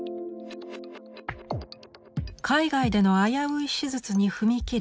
海外での危うい手術に踏み切る患者たち。